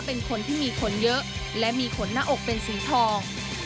เป็นคนที่มีขนเยอะและมีขนหน้าอกเป็นสีทอง